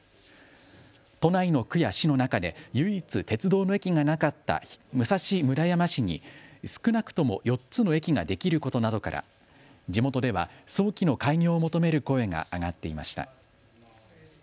都内の区や市の中で唯一、鉄道の駅がなかった武蔵村山市に少なくとも４つの駅ができることなどから地元では早期の開業を求める声が上がっていました。